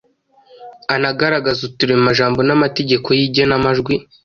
anagaragaze uturemajambo n’amategeko y’igenamajwi.